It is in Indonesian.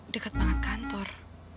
dekat banget kantor